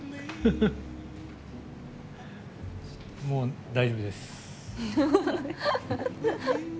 もう大丈夫です。